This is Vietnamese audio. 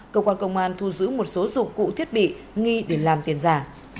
cơ quan công an thu giữ một số dụng cụ thiết bị nghi để làm tiền giả